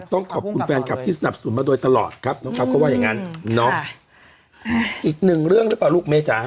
ต้องขอบคุณแฟนคลับที่สนับสนุนมาโดยตลอดครับน้องเขาว่าอย่างงั้นเนาะอีกหนึ่งเรื่องหรือเปล่าลูกเมจ๋า